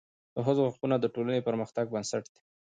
د ښځو حقونه د ټولني د پرمختګ بنسټ دی.